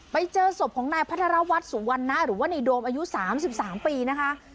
ไปเจอศพของนายพัทรวัฒน์สุวรรณะหรือว่าในโดมอายุ๓๓ปีนะคะ